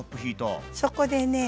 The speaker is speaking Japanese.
そこでね